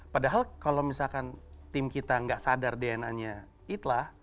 padahal kalau misalkan tim kita gak sadar dna nya it lah